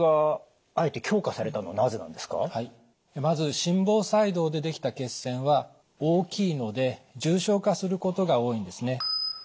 まず心房細動でできた血栓は大きいので重症化することが多いんですね。